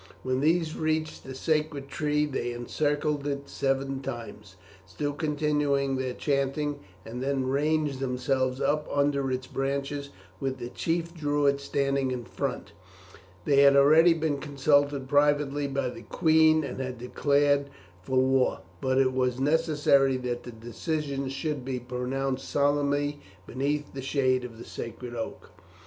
When these reached the sacred tree they encircled it seven times, still continuing their chanting, and then ranged themselves up under its branches with the chief Druid standing in front. They had already been consulted privately by the queen and had declared for war; but it was necessary that the decision should be pronounced solemnly beneath the shade of the sacred oak.